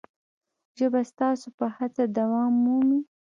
ژبه ستاسو په هڅه دوام مومي.